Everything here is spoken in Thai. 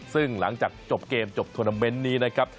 ซึ่งหลังจากจบเกมจบทวนาเมนต์นี้นะครับ